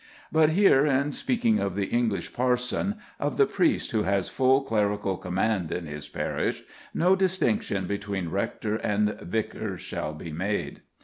But here, in speaking of the English parson, of the priest who has full clerical command in his parish, no distinction between rector and vicar shall be made.